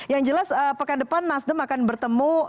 yang jelas pekan depan nasdem akan bertemu